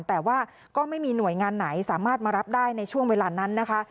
แต่ว่าก็ไม่มีหน่วยงานไหนสามารถมารับได้ในช่วงเวลานั้นนะคะ